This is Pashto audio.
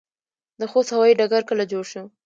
د خوست هوايي ډګر کله جوړ شو؟